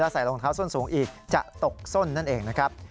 ใส่รองเท้าส้นสูงอีกจะตกส้นนั่นเองนะครับ